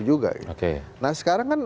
juga nah sekarang kan